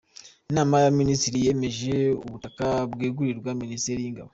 Inama y’Abaminisitiri yemeje ubutaka bwegurirwa Minisiteri y’Ingabo.